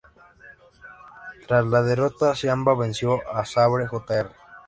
Tras la derrota, Ciampa venció a Sabre Jr.